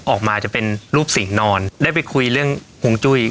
ออกมาจะเป็นรูปสิ่งนอนได้ไปคุยเรื่องฮวงจุ้ย